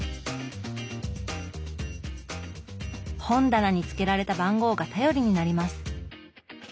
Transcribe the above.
本棚につけられた番号が頼りになります。